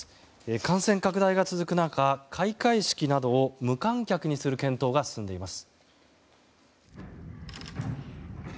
感染拡大が続く中、開会式などを無観客にする検討が進んでいます。